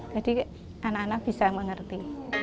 jadi anak anak bisa mengerti